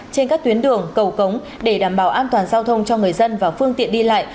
trên các tuyến đường cầu cống để đảm bảo an toàn giao thông cho người dân và phương tiện đi lại